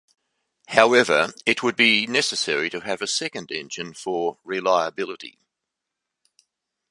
However, it would be necessary to have a second engine for reliability.